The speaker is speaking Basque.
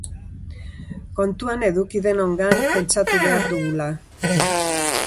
Kontuan eduki denongan pentsatu behar dugula.